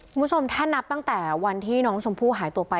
คุณผู้ชมถ้านับตั้งแต่วันที่น้องชมพู่หายตัวไป